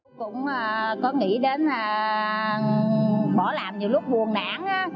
tôi cũng có nghĩ đến bỏ làm nhiều lúc buồn nản á